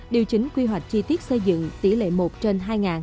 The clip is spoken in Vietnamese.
điều chính quy hoạch chi tiết xây dựng tỷ lệ một trên hai